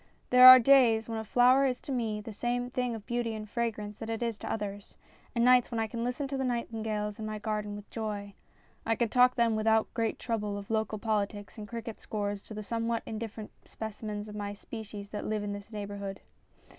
There are days when a flower is to me the same thing of beauty and fragrance that it is to others, and nights when I can listen to the nightin gales in my garden with joy. I can talk then without great trouble of local politics and cricket scores to the somewhat indifferent specimens of my species that live in this neighbourhood.